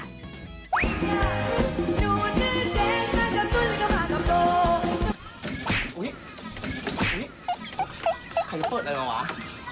ใครจะเปิดอะไรมาวะ